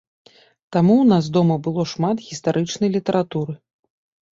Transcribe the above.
Таму ў нас дома было шмат гістарычнай літаратуры.